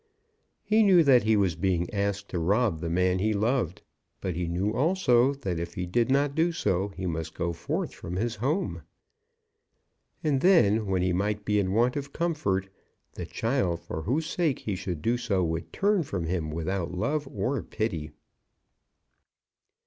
He knew that he was being asked to rob the man he loved; but he knew also, that if he did not do so, he must go forth from his home. And then, when he might be in want of comfort, the child for whose sake he should do so would turn from him without love or pity.